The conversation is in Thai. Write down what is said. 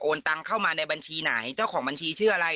ตังเข้ามาในบัญชีไหนเจ้าของบัญชีชื่ออะไร